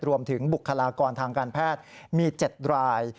บุคลากรทางการแพทย์มี๗ราย